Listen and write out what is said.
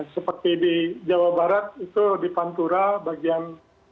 seperti di jawa barat itu di pantura bagian